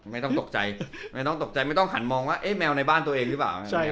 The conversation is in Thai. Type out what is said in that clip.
ไม่ต้องตกใจไม่ต้องตกใจไม่ต้องหันมองว่าเอ๊ะแมวในบ้านตัวเองหรือเปล่า